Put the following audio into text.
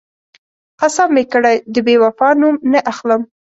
قسم مې کړی، د بېوفا نوم نه اخلم.